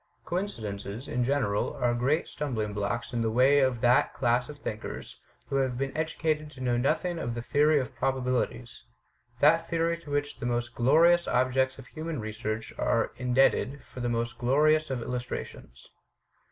Coincidences, in general, are great stumbling blocks in the way of that class of thinkers who have been educated to know nothing of the theory of probabilities: that theory to which the most glorious objects of human research are in debted for the most glorious of illustrations."